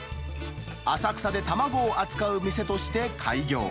浅草で卵を扱う店として開業。